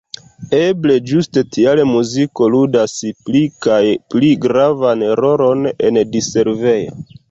Eble ĝuste tial muziko ludas pli kaj pli gravan rolon en diservoj.